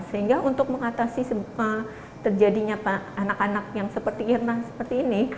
sehingga untuk mengatasi terjadinya anak anak yang seperti ini